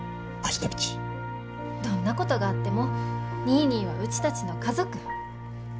どんなことがあってもニーニーはうちたちの家族。